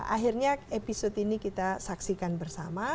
akhirnya episode ini kita saksikan bersama